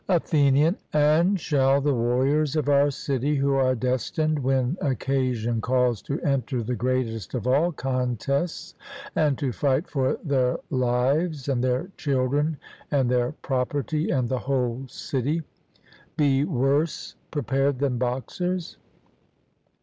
ATHENIAN: And shall the warriors of our city, who are destined when occasion calls to enter the greatest of all contests, and to fight for their lives, and their children, and their property, and the whole city, be worse prepared than boxers?